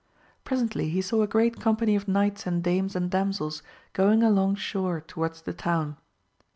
Presently he saw a great company of knights and dames and damsels going along shore towards the town.